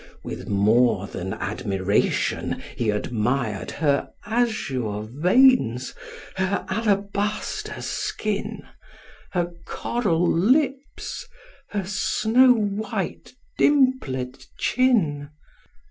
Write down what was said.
With more than admiration he admired Her azure veins, her alabaster skin, Her coral lips, her snow white dimpled chin.